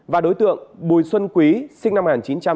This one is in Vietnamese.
và đối tượng bùi xuân quý sinh năm một nghìn chín trăm tám mươi